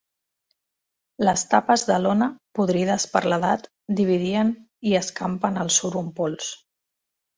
Les tapes de lona, podrides per l'edat, dividien i escampen el suro en pols.